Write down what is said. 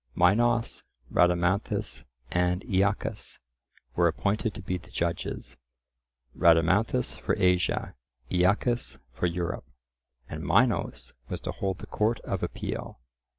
Minos, Rhadamanthus, and Aeacus were appointed to be the judges; Rhadamanthus for Asia, Aeacus for Europe, and Minos was to hold the court of appeal.